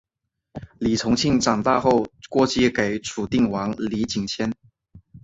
李从庆长大后过继给楚定王李景迁。